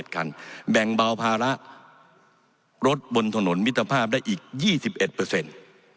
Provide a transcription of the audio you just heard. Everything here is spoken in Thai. คันแบ่งเบาภาระรถบนถนนมิตรภาพได้อีก๒๑เปอร์เซ็นต์